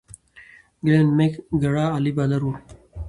ګلن میک ګرا عالي بالر وو.